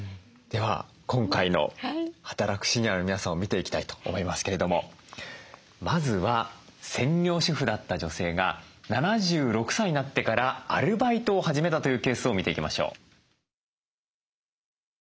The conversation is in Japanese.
では今回の働くシニアの皆さんを見ていきたいと思いますけれどもまずは専業主婦だった女性が７６歳になってからアルバイトを始めたというケースを見ていきましょう。